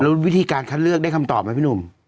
แล้ววิธีการคัดเลือกได้คำตอบไหมพี่หนุ่ม